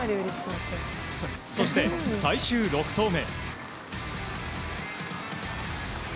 そして、最終６投目。